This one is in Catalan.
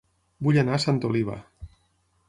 Vull anar a Santa Oliva